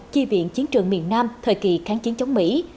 chi viện chiến trường miền nam thời kỳ kháng chiến chống mỹ